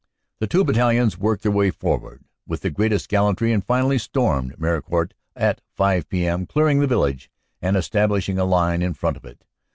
The two battalions worked their way forward with the greatest gallantry, and finally stormed Meharicourt at 5 p.m., clearing the village and establishing a line in front of it.